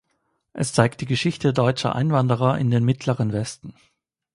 Es zeigt die Geschichte deutscher Einwanderer in den Mittleren Westen.